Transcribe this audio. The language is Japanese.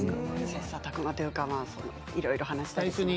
切さたく磨というかいろいろ話したりして。